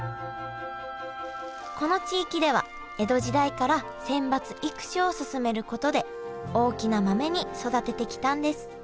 この地域では江戸時代から選抜育種を進めることで大きな豆に育ててきたんです